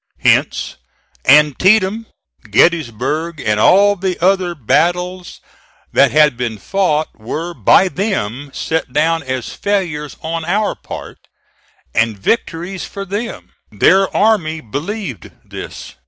Hence, Antietam, Gettysburg, and all the other battles that had been fought, were by them set down as failures on our part, and victories for them. Their army believed this.